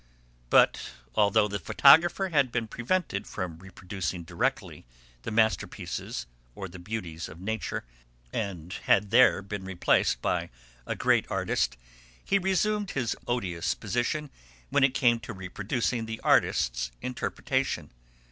But although the photographer had been prevented from reproducing directly the masterpieces or the beauties of nature, and had there been replaced by a great artist, he resumed his odious position when it came to reproducing the artist's interpretation.